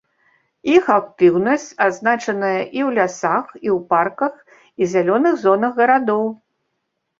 Іх актыўнасць адзначаная і ў лясах, і ў парках і зялёных зонах гарадоў.